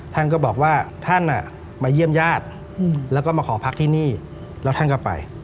ท่านก็บอกว่าท่านมาเยี่ยมญาติแล้วก็มาขอพักที่นี่แล้วท่านก็ไป